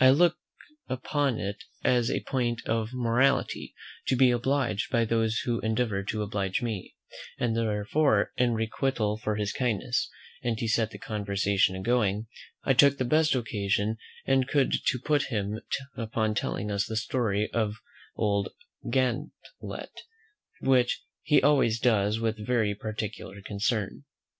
I look upon it as a point of morality, to be obliged by those who endeavour to oblige me; and therefore, in requital for his kindness, and to set the conversation a going, I took the best occasion I could to put him upon telling us the story of old Gantlett, which he always does with very particular concern.